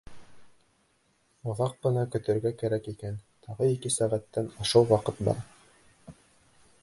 Оҙаҡ ҡына көтөргә кәрәк икән, тағы ике сәғәттән ашыу ваҡыт бар.